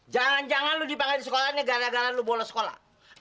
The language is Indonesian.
jangan jangan lo dipanggil di sekolah gara gara lo bolos sekolah